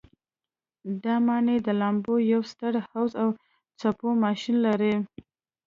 دا ماڼۍ د لامبو یو ستر حوض او څپو ماشین لري.